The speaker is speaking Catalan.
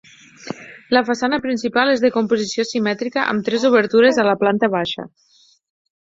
La façana principal és de composició simètrica amb tres obertures a la planta baixa.